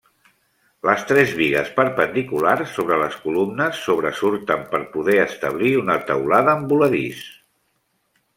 Les tres bigues perpendiculars sobre les columnes sobresurten per poder establir una teulada en voladís.